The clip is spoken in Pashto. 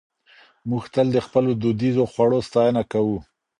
موږ تل د خپلو دودیزو خوړو ستاینه کوو.